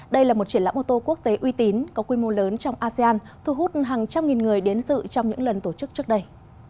đây là một triển lãm ô tô quốc tế uy tín có quy mô lớn trong asean thu hút hàng trăm nghìn người đến dự trong những lần tổ chức trước đây